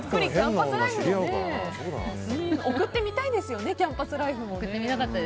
送ってみたいですよねキャンパスライフも。